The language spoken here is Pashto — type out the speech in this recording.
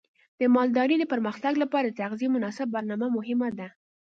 د مالدارۍ د پرمختګ لپاره د تغذیې مناسب برنامه مهمه ده.